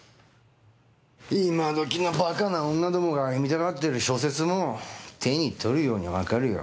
今どきのバカな女どもが読みたがってる小説も手に取るようにわかるよ。